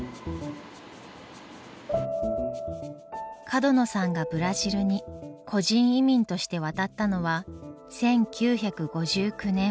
角野さんがブラジルに個人移民として渡ったのは１９５９年。